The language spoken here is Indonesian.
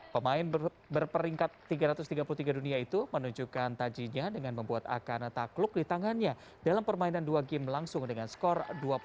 pemain berperingkat tiga ratus tiga puluh tiga dunia itu menunjukkan tajinya dengan membuat akana takluk di tangannya dalam permainan dua game langsung dengan skor dua puluh satu